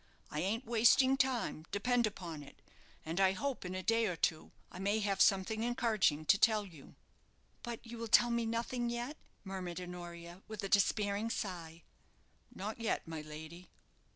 I ain't wasting time, depend upon it; and I hope in a day or two I may have something encouraging to tell you." "But you will tell me nothing yet?" murmured Honoria, with a despairing sigh. "Not yet, my lady."